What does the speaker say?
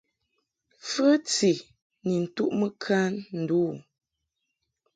Fəti ni ntuʼmɨ kan ndu u.